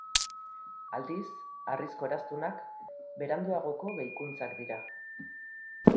Aldiz, harrizko eraztunak beranduagoko gehikuntzak dira.